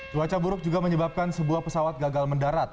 cuaca buruk juga menyebabkan sebuah pesawat gagal mendarat